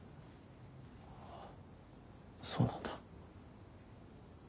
ああそうなんだ。